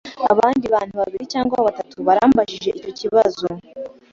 Abandi bantu babiri cyangwa batatu barambajije icyo kibazo.